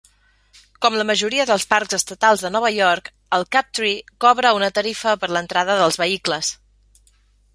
Com la majoria dels Parcs Estatals de Nova York, el Captree cobra una tarifa per l'entrada dels vehicles.